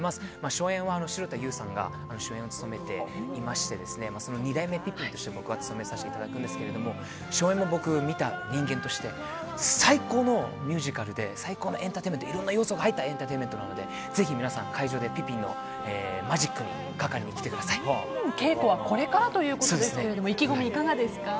初演は城田優さんが主演を務めていましてその２代目「ピピン」として僕は務めさせていただくんですが初演を見た人間として最高のミュージカルで最高のエンターテインメントいろんな要素が入ったエンターテインメントなのでぜひ、皆さん会場で「ピピン」のマジックに稽古はこれからということですが意気込み、いかがですか。